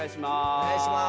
お願いします。